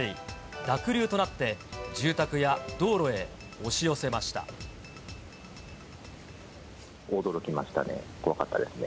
濁流となって住宅や道路へ押し寄驚きましたね、怖かったですね。